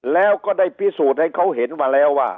แล้วก็ได้พิสูจน์ให้เขาเห็นมาแล้วว่า